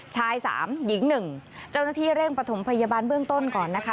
ชายสามหญิง๑เจ้าหน้าที่เร่งประถมพยาบาลเบื้องต้นก่อนนะคะ